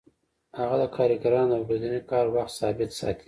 هغه د کارګرانو د ورځني کار وخت ثابت ساتي